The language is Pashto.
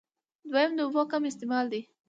دويم د اوبو کم استعمال دی